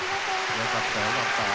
よかったよかった。